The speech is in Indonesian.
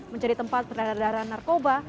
menjadi tempat peredaran narkoba